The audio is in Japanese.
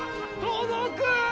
届く！